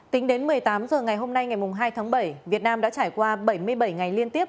tính đến một mươi tám h ngày hôm nay ngày hai tháng bảy việt nam đã trải qua bảy mươi bảy ngày liên tiếp